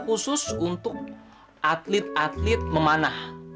khusus untuk atlet atlet memanah